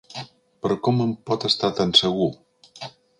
Però com en pot estar tan segur?